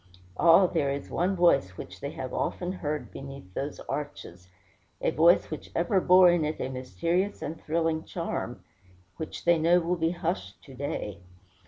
Ah, there is one voice which they have often heard beneath those arches a voice which ever bore in it a mysterious and thrilling charm which they know will be hushed to day.